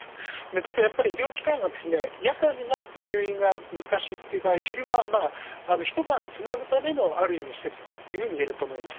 ただやっぱり医療機関が夜間になると入院が難しいという場合、昼間、一晩つなぐための、あるいは意味施設というふうに言えると思います。